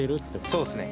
そうですね。